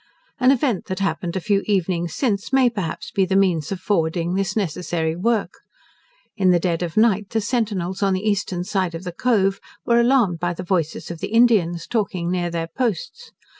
An event that happened a few evenings since may, perhaps, be the means of forwarding this necessary work. In the dead of night the centinels on the eastern side of the cove were alarmed by the voices of the Indians, talking near their posts.